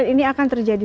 ini akan terjadi